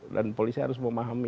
dan polisi harus memahami